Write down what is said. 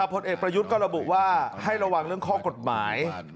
ผลเอกประยุทธ์ก็ระบุว่าให้ระวังเรื่องข้อกฎหมาย